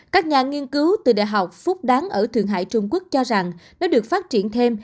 các nhà nghiên cứu từ đại học phúc đáng ở thượng hải trung quốc cho rằng nó được phát triển thêm